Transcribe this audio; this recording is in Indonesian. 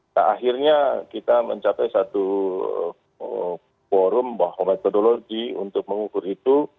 nah akhirnya kita mencapai satu forum bahwa metodologi untuk mengukur itu